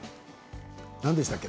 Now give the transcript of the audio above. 何でしたっけ？